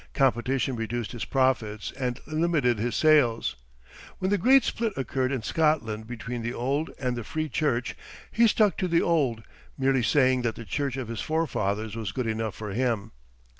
Competition reduced his profits and limited his sales. When the great split occurred in Scotland between the old and the free church, he stuck to the old, merely saying that the church of his forefathers was good enough for him.